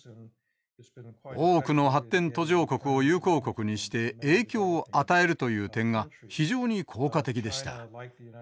多くの発展途上国を友好国にして影響を与えるという点が非常に効果的でした。